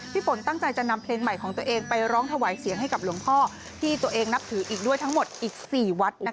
ฝนตั้งใจจะนำเพลงใหม่ของตัวเองไปร้องถวายเสียงให้กับหลวงพ่อที่ตัวเองนับถืออีกด้วยทั้งหมดอีก๔วัด